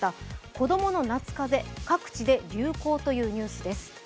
子供の夏風邪、各地で流行というニュースです。